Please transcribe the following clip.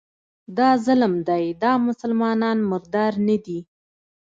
دا ظلم دی، دا مسلمانان مردار نه دي